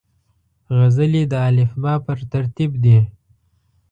غزلې د الفبې پر ترتیب دي.